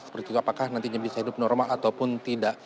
seperti itu apakah nantinya bisa hidup normal ataupun tidak